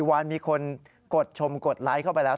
วันมีคนกดชมกดไลค์เข้าไปแล้ว